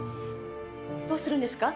どうするんですか？